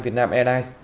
việt nam airlines